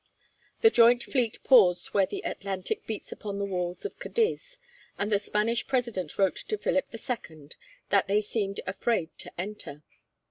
The joint fleet paused where the Atlantic beats upon the walls of Cadiz, and the Spanish President wrote to Philip II. that they seemed afraid to enter.